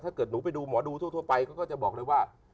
ถ้าเกิดหนูไปดูหมอดูทั่วไปก็จะบอกเลยว่า